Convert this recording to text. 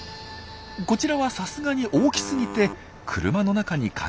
こちらはさすがに大きすぎて車の中にカキを置け